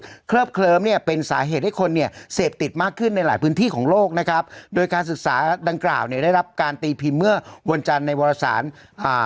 เคลิบเคลิ้มเนี่ยเป็นสาเหตุให้คนเนี่ยเสพติดมากขึ้นในหลายพื้นที่ของโลกนะครับโดยการศึกษาดังกล่าวเนี่ยได้รับการตีพิมพ์เมื่อวันจันทร์ในวรสารอ่า